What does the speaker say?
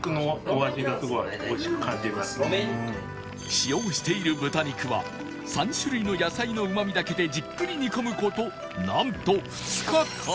使用している豚肉は３種類の野菜のうまみだけでじっくり煮込むことなんと２日間